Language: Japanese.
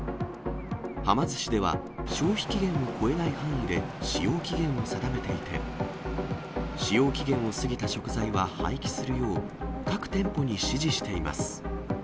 はま寿司では、消費期限を超えない範囲で使用期限を定めていて、使用期限を過ぎた食材は廃棄するよう、各店舗に指示しています。